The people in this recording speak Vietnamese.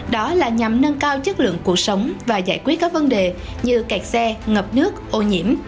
đó là nhằm nâng cao chất lượng cuộc sống và giải quyết các vấn đề như cạt xe ngập nước ô nhiễm